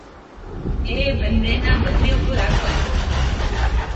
ایہہ بندے ناں بندے اپر حق ہونا